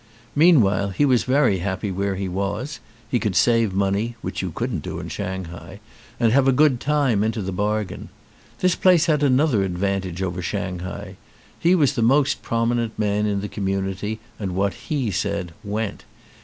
Mean while he was very happy where he was, he could save money, which you couldn't do in Shanghai, and have a good time into the bargain. This place had another advantage over Shanghai: he was the most prominent man in the community and what he said went.